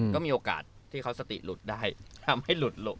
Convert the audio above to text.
ก็มีโอกาสที่เขาสติหลุดได้ทำให้หลุด